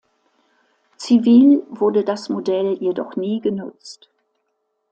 Zivil wurde das Modell jedoch nie genutzt.